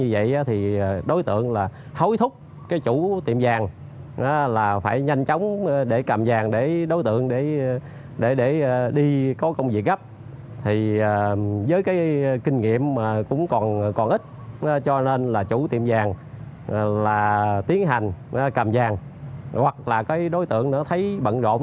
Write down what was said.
với kinh nghiệm còn ít chủ tiệm vàng tiến hành cầm vàng hoặc là đối tượng thấy bận rộn